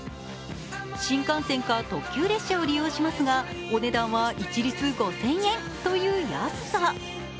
新幹線や特急列車を利用しますが、お値段は一律５０００円という安さ。